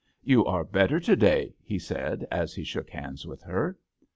" You are better to day," he said, as he shook hands with her.